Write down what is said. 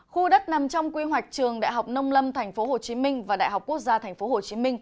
khu đất nằm trong quy hoạch trường đại học nông lâm tp hcm và đại học quốc gia tp hcm